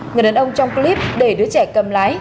người đàn ông trong clip để đứa trẻ cầm lái